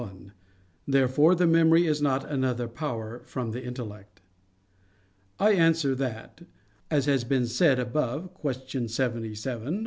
Therefore the memory is not another power from the intellect. I answer that, As has been said above (Q. 77, A.